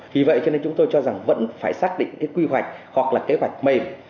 vì vậy cho nên chúng tôi cho rằng vẫn phải xác định cái quy hoạch hoặc là kế hoạch mềm